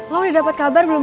lo udah dapat kabar belum